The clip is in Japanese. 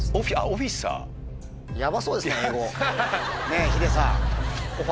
ねぇヒデさん。